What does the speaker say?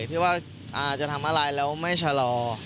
ที่ว่าจะทำอะไรแล้วไม่ชะลอ